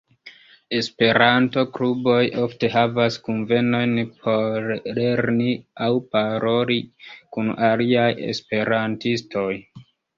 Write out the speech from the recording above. Esperanto-kluboj ofte havas kunvenojn por lerni aŭ paroli kun aliaj esperantistoj.